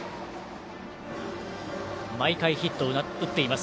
毎回ヒットを打っています